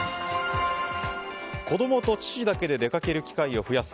子供と父だけで出かける機会を増やす。